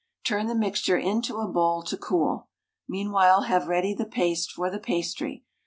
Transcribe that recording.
Turn the mixture into a bowl to cool. Meanwhile have ready the paste for the pastry.